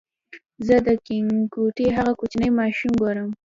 زه د کینټکي هغه کوچنی ماشوم ګورم.